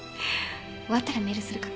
終わったらメールするから。